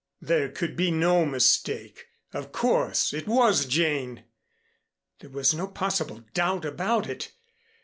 There could be no mistake. Of course, it was Jane! There was no possible doubt about it!